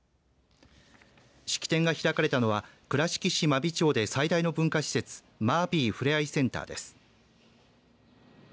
式典が開かれたのは倉敷市真備町で最大の文化施設マービーふれあいセンターです。